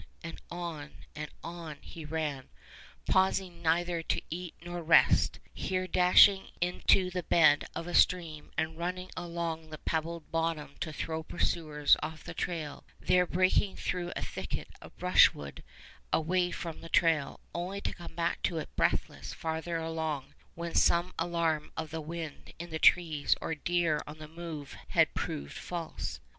. and on ... and on, he ran, pausing neither to eat nor rest; here dashing into the bed of a stream and running along the pebbled bottom to throw pursuers off the trail; there breaking through a thicket of brushwood away from the trail, only to come back to it breathless farther on, when some alarm of the wind in the trees or deer on the move had proved false.